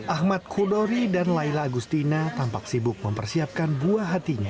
ahmad kudori dan laila agustina tampak sibuk mempersiapkan buah hatinya